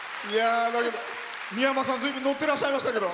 三山さん、ずいぶん乗ってらっしゃいましたけど。